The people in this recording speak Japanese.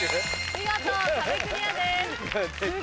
見事壁クリアです